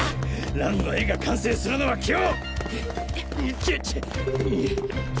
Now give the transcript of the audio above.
蘭の絵が完成するのは今日！